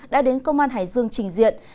đã đến công an hải dương trình diện